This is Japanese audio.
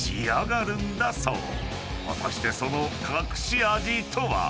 ［果たしてその隠し味とは？］